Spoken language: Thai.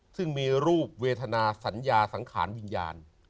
ซึ่งมีรูปเวทนาสัญญาสังขารวิญญาณ